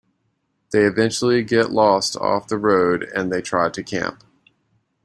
They eventually get lost off the road and they try to camp.